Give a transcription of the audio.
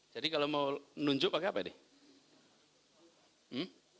jadi kalau mau nunjuk pakai apa nih